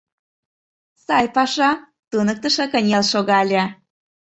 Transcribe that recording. — Сай паша, — туныктышо кынел шогале.